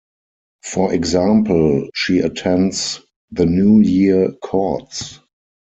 For example, she attends the New Year Courts.